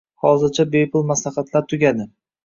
Hozircha bepul maslahatlar tugadi 😂😂😂